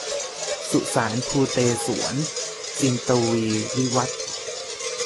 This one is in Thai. สุสานภูเตศวร- จินตวีร์ วิวัธน์